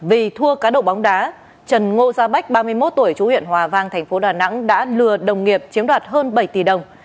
vì thua cá độ bóng đá trần ngô gia bách ba mươi một tuổi chú huyện hòa vang thành phố đà nẵng đã lừa đồng nghiệp chiếm đoạt hơn bảy tỷ đồng